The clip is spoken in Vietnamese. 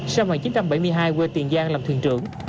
sang ngoài chín trăm bảy mươi hai quê tiền giang làm thuyền trưởng